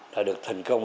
đã được thành công